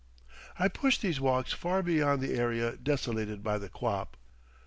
I pushed these walks far beyond the area desolated by the quap.